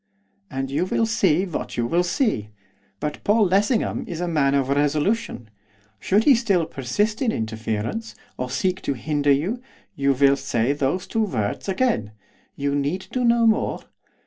And you will see what you will see. But Paul Lessingham is a man of resolution. Should he still persist in interference, or seek to hinder you, you will say those two words again. You need do no more.